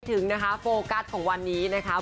ถึงนะคะโฟกัสของวันนี้นะคะ